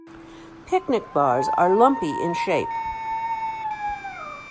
Picnic bars are lumpy in shape.